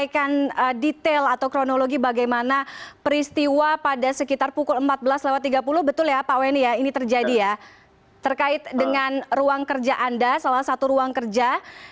kedua anggota dpr tersebut juga tidak mengalami luka